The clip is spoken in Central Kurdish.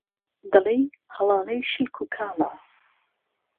دهڵێی ههڵاڵەەي شلک و کاڵه